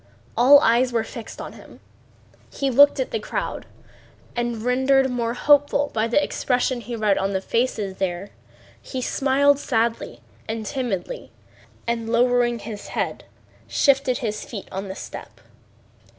All eyes were fixed on him. He looked at the crowd, and rendered more hopeful by the expression he read on the faces there, he smiled sadly and timidly, and lowering his head shifted his feet on the step.